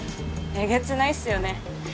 えげつないっすよね。